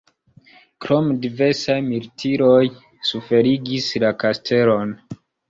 Krome diversaj militiroj suferigis la kastelon.